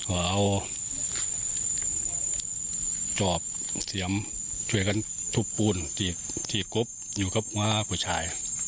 มาเอาจอบอยู่เหมือนทุบปูนอยู่กับผู้ชาย